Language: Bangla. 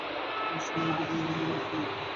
তিনি সাম্রাজ্যের প্রতিনিধি হিসেবে নিয়োগ পান।